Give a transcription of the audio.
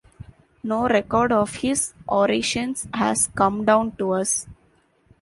No record of his orations has come down to us.